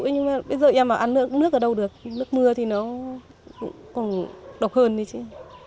bây giờ em bảo ăn nước ở đâu được nước mưa thì nó còn độc hơn thôi chứ